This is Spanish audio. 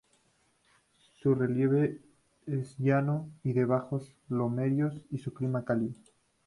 Su relieve es llano y de bajos lomeríos, y su clima cálido.